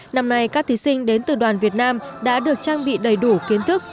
năm nay các thí sinh đến từ đoàn việt nam đã được trang bị đầy đủ kiến thức